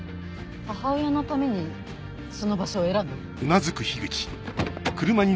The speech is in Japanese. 母親のためにその場所を選んだ？